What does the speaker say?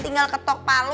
tinggal ketok palu